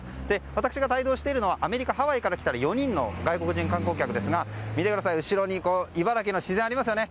私が帯同しているのはアメリカ・ハワイからきている４人の観光客ですが見てください、後ろに茨城の自然がありますよね。